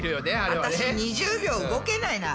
私２０秒動けないな。